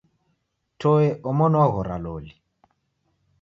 Toe omoni waghora loli.